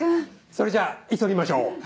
それじゃ急ぎましょう。